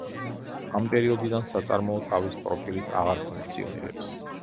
ამ პერიოდიდან საწარმო თავისი პროფილით აღარ ფუნქციონირებს.